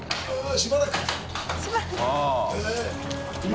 しばらく